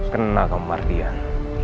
kenal kamu ardian